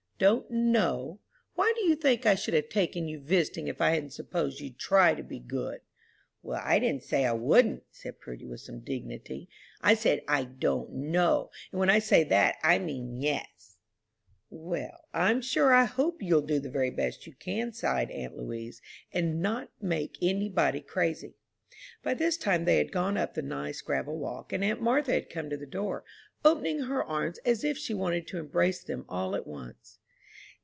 "Don't know? Why, do you think I should have taken you visiting if I hadn't supposed you'd try to be good?" "Well, I didn't say I wouldn't," said Prudy, with some dignity, "I said 'I don't know,' and when I say that, I mean 'yes.'" "Well, I'm sure I hope you'll do the very best you can," sighed aunt Louise, "and not make any body crazy." By this time they had gone up the nice gravel walk, and aunt Martha had come to the door, opening her arms as if she wanted to embrace them all at once.